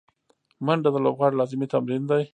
منډه د لوبغاړو لازمي تمرین دی